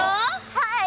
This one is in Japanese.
はい。